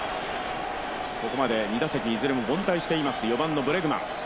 ここまで２打席いずれも凡退していますブレグマン。